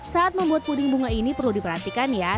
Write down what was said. saat membuat puding bunga ini perlu diperhatikan ya